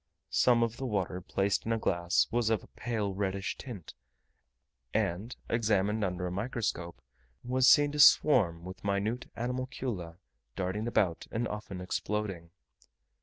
Some of the water placed in a glass was of a pale reddish tint; and, examined under a microscope, was seen to swarm with minute animalcula darting about, and often exploding.